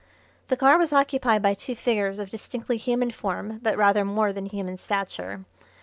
The car was occupied by two figures of distinctly human form but rather more than human stature.